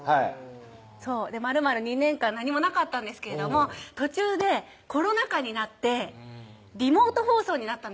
そうまるまる２年間何もなかったんですけれども途中でコロナ禍になってリモート放送になったんですよ